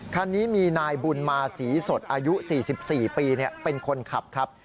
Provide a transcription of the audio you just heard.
คันนี้มีนายบุญมาศรีสดอายุ๔๔ปีเป็นคนขับครับ